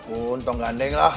untung gandeng lah